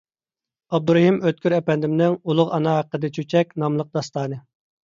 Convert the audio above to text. ئابدۇرېھىم ئۆتكۈر ئەپەندىمنىڭ «ئۇلۇغ ئانا ھەققىدە چۆچەك» ناملىق داستانى.